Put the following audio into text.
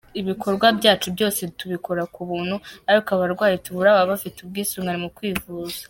Ibikorwa byacu byose tubikora ku buntu, ariko abarwayi tuvura baba bafite ubwisungane mu kwivuza.